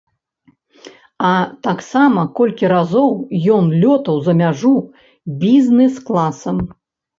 А таксама колькі разоў ён лётаў за мяжу бізнэс-класам.